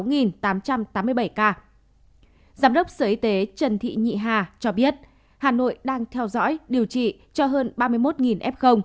giám đốc sở y tế trần thị nhị hà cho biết hà nội đang theo dõi điều trị cho hơn ba mươi một f